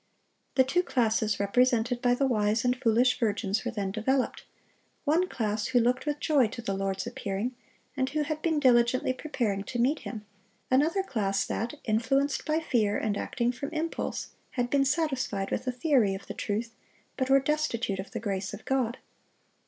The two classes represented by the wise and foolish virgins were then developed,—one class who looked with joy to the Lord's appearing, and who had been diligently preparing to meet Him; another class that, influenced by fear, and acting from impulse, had been satisfied with a theory of the truth, but were destitute of the grace of God.